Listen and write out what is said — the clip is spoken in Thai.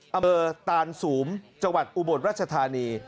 อำเบอร์ตานสูมจังหวัดอุโมนราชธานี